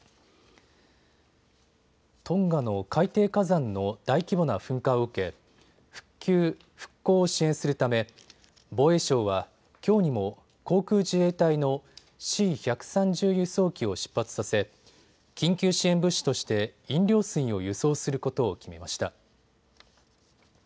トンガの海底火山の大規模な噴火を受け、復旧・復興を支援するため防衛省はきょうにも航空自衛隊のＣ１３０輸送機を出発させ緊急支援物資として飲料水を輸送することを決めました。